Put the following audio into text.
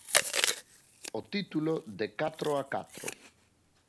O título De catro a catro.